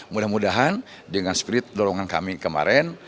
mudah mudahan dengan spirit dorongan kami kemarin